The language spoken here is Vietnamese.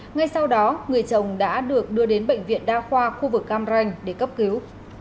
ngay sau đó người chồng đã được đưa đến bệnh viện đa khoa khu vực cam ranh để cấp cứu